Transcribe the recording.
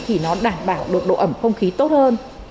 thì nó đảm bảo được độ ẩm không khí tốt hơn